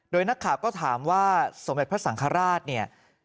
โดยนักข่าวก็ถามว่าสมเด็จพระสังฆราชเนี่ย